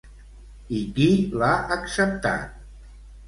I qui l'ha acceptat?